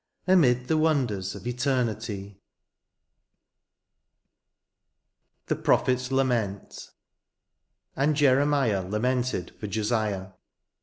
Amid the wonders of Eternity ! M THE PROPHET'S LAMENT. " And Jeremiah lamented for Jotiah."